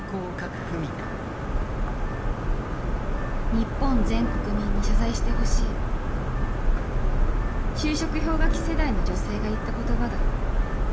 日本全国民に謝罪してほしい就職氷河期世代の女性が言った言葉だ。